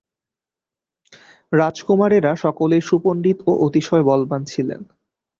রাজকুমারেরা সকলেই সুপণ্ডিত ও অতিশয় বলবান ছিলেন।